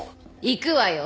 行くわよ！